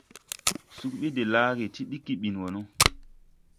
Sug ɓi de laage, ti ɗiggi ɓin wɔ no.